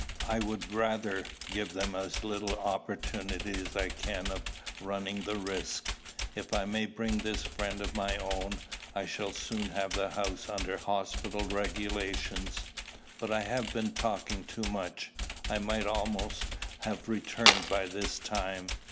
"I would rather give them as little opportunity as I can of running the risk. If I may bring this friend of my own, I shall soon have the house under hospital regulations. But I have been talking too much. I might almost have returned by this time.